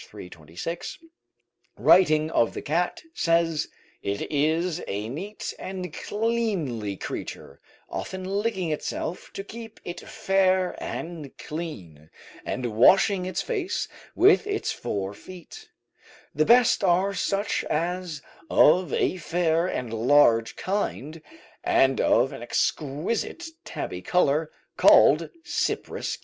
326, writing of the cat, says: "It is a neat and cleanly creature, often licking itself to keep it fair and clean, and washing its face with its fore feet; the best are such as of a fair and large kind and of an exquisite tabby color called Cyprus cats."